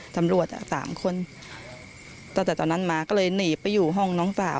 ตำรวจสามคนตั้งแต่ตอนนั้นมาก็เลยหนีไปอยู่ห้องน้องสาว